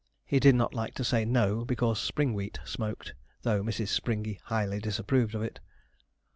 He did not like to say no, because Springwheat smoked, though Mrs. Springey highly disapproved of it.